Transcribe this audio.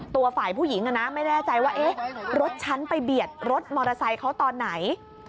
ตัวฝ่ายผู้หญิงไม่แน่ใจว่ารถฉันไปเบียดรถมอเตอร์ไซค์เขาตอนไหน